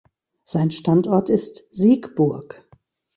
Sein Standort ist Siegburg.